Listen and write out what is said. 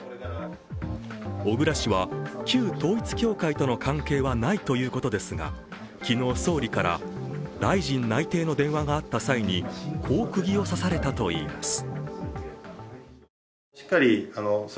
小倉氏は、旧統一教会との関係はないということですが昨日、総理から大臣内定の電話があった際に、こうくぎを刺されたといいます。